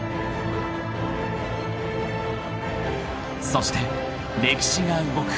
［そして歴史が動く］